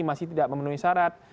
masih tidak memenuhi syarat